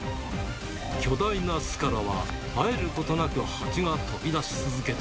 巨大な巣からは、絶えることなくハチが飛び出し続けた。